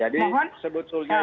jadi sebetulnya bu